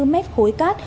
hai mươi bốn m khối cát